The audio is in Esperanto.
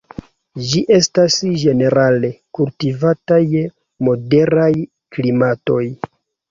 Ĝi estas ĝenerale kultivata je moderaj klimatoj.